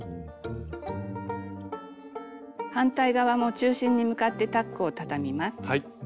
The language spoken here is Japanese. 反対側も中心に向かってタックをたたみます。